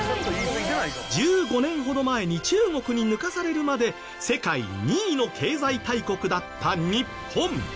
１５年ほど前に中国に抜かされるまで世界２位の経済大国だった日本。